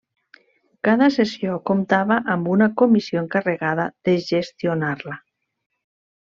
Cada sessió comptava amb una comissió encarregada de gestionar-la.